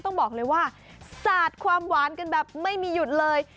ต้องบอกเลยว่าสาดความหวานกันแบบไม่มีหยุดเลย